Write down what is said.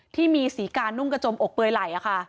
ที่มีสีกาหนุ่งกระจมอกเปลยไหล่อะค่ะ